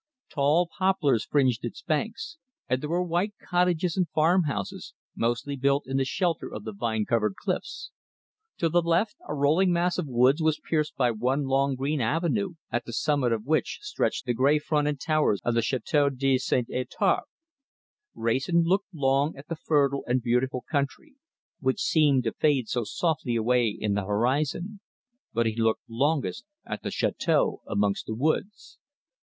Tall poplars fringed its banks, and there were white cottages and farmhouses, mostly built in the shelter of the vine covered cliffs. To the left a rolling mass of woods was pierced by one long green avenue, at the summit of which stretched the grey front and towers of the Château de St. Étarpe. Wrayson looked long at the fertile and beautiful country, which seemed to fade so softly away in the horizon; but he looked longest at the chateâu amongst the woods.